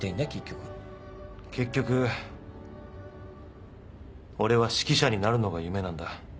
結局俺は指揮者になるのが夢なんだ。